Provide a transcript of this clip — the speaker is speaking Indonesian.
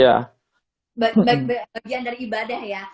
bagian dari ibadah ya